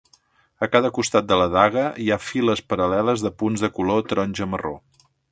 A cada costat de la daga hi ha files paral·leles de punts de color taronja-marró.